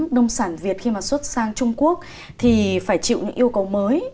nông sản việt khi mà xuất sang trung quốc thì phải chịu những yêu cầu mới